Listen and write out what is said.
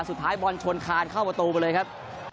เข้าประตูไปเลยครับ